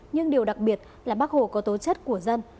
nhưng điều đặc biệt là bác hồ có tố chất của dân